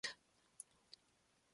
His work has roots in minimal music.